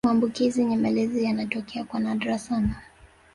maambukizi nyemelezi yanatokea kwa nadra sana